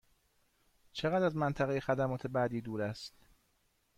چقدر از منطقه خدمات بعدی دور است؟